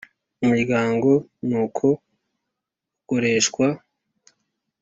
Umuryango n uko ukoreshwa